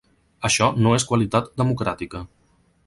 Això no és qualitat democràtica.